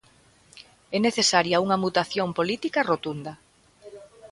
É necesaria unha mutación política rotunda.